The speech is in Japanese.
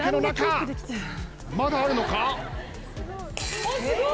まだあるのか？